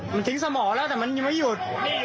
มันทิ้งสมองแล้วแต่มันยังไม่หยุด